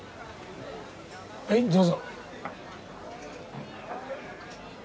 はいどうぞ。